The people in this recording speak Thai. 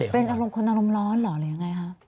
เป็นคนอารมณ์ร้อนเหรอหรือยังไงครับ